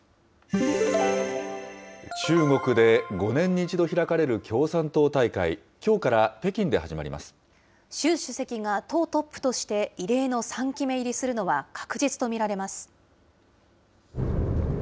中国で５年に１度開かれる共産党大会、きょうから北京で始ま習主席が党トップとして異例の３期目入りするのは確実と見られます。